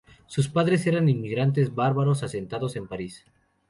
Sus padres eran inmigrantes bávaros asentados en París.